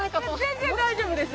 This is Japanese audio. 全然大丈夫です。